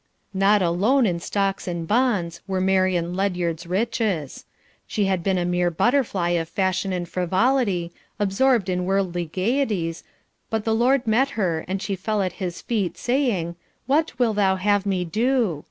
Not alone in stocks and bonds were Marian Ledyard's riches. She had been a mere butterfly of fashion and frivolity, absorbed in worldly gaieties, but the Lord met her, and she fell at his feet, saying, "What wilt thou have me to do?"